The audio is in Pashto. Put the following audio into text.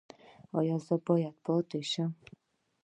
ایا زه باید پاتې شم؟